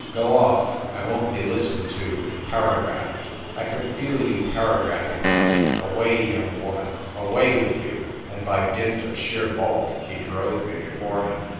" Go off! I won't be listened to and paragraphed. I could feel you paragraphing me. Away, young woman : away with you." And by dint of sheer bulk, he drove me before him.